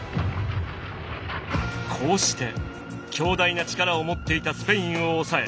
こうして強大な力を持っていたスペインを抑え